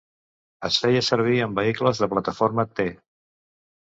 Es feia servir en vehicles de plataforma T.